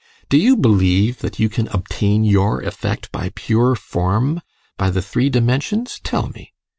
Do you believe that you can obtain your effect by pure form by the three dimensions tell me?